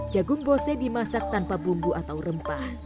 jagung bose dimasak tanpa bumbu atau rempah